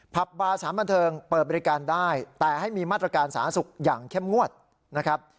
บาร์สารบันเทิงเปิดบริการได้แต่ให้มีมาตรการสาธารณสุขอย่างเข้มงวดนะครับ